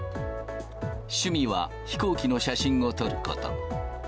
趣味は飛行機の写真を撮ること。